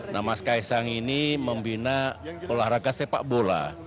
nah mas kaisang ini membina olahraga sepak bola